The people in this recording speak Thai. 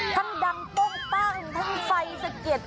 ทั้งดังต้นตั้งทั้งไฟสะเก็ด